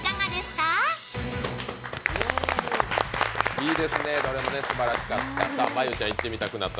いいですね、どれもすばらしかった。